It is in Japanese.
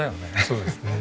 そうですね。